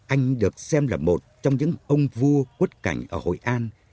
anh được xem là một trong những ông vua quất cảnh ở hội an